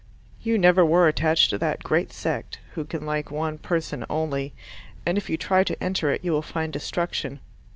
"You never were attached to that great sect" who can like one person only, and if you try to enter it you will find destruction.